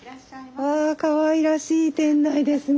わかわいらしい店内ですね。